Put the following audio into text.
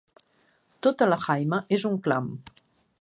Tota la Haima és un clam.